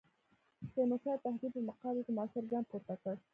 تیمورشاه د تهدید په مقابل کې موثر ګام پورته کړ.